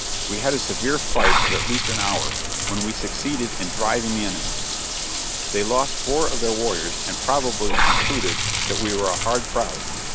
We had a severe fight of at least an hour, when we succeeded in driving the enemy. They lost four of their warriors, and probably concluded that we were a hard crowd.